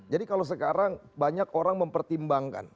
jadi kalau sekarang banyak orang mempertimbangkan